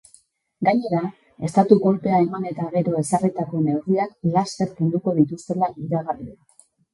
Gainera, estatu-kolpea eman eta gero ezarritako neurriak laster kenduko dituztela iragarri du.